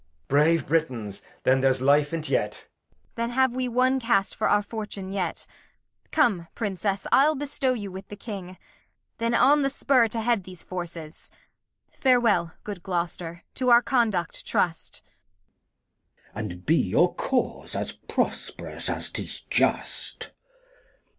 Brave Britains, then there's Life in't yet. [Aside. Kent. Then have we one Cast for our Fortune yet. Come, Princess, I'll bestow you with the King, Then on the Spur to head these Forces. Farewel, good Gloster, to our conduct trust. Glost. And be your Cause as prosp'rous as 'tis just.